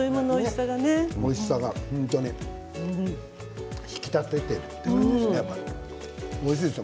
おいしさがね、本当に引き立っていておいしいですね。